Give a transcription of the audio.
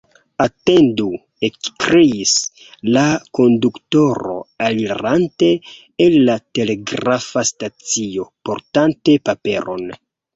« Atendu! »ekkriis la konduktoro, elirante el la telegrafa stacio, portante paperon.